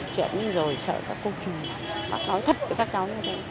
chuyện như rồi sợ các cô chú nói thật với các cháu như thế